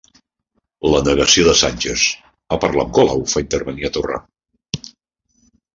La negació de Sánchez a parlar amb Colau fa intervenir a Torra